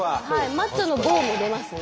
マッチョの「ＧＯ」も出ますね。